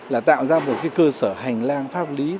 là tạo ra một cơ sở hành lang pháp lý